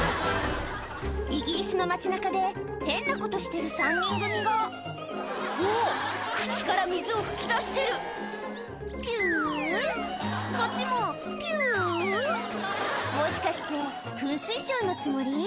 イギリスの街中で変なことしてる３人組がうおっ口から水を噴き出してるピュこっちもピュもしかして噴水ショーのつもり？